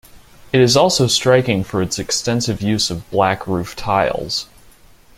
It is also striking for its extensive use of black roof tiles.